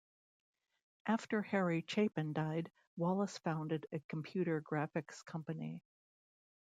After Harry Chapin died, Wallace founded a computer graphics company.